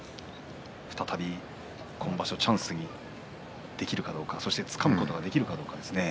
再び今場所はチャンスにできるかどうかそしてつかむことができるかどうかですね。